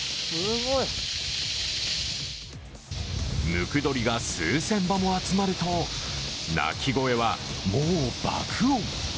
ムクドリが数千羽も集まると、鳴き声はもう爆音。